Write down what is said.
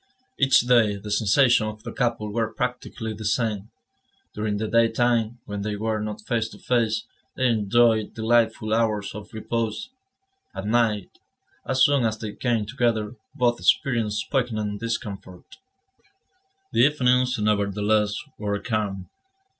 Each day, the sensations of the couple were practically the same. During the daytime, when they were not face to face, they enjoyed delightful hours of repose; at night, as soon as they came together, both experienced poignant discomfort. The evenings, nevertheless, were calm.